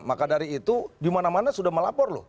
maka dari itu dimana mana sudah melapor loh